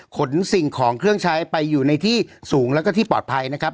ขนสิ่งของเครื่องใช้ไปอยู่ในที่สูงแล้วก็ที่ปลอดภัยนะครับ